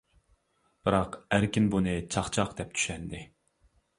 بىراق ئەركىن بۇنى چاق-چاق دەپ چۈشەندى.